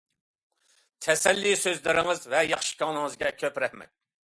تەسەللى سۆزلىرىڭىز ۋە ياخشى كۆڭلىڭىزگە كۆپ رەھمەت!